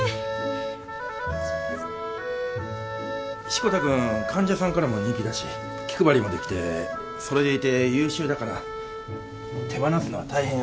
志子田君患者さんからも人気だし気配りもできてそれでいて優秀だから手放すのは大変惜しいんだけども。